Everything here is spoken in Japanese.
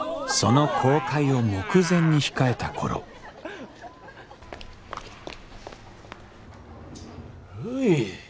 その公開を目前に控えた頃るい。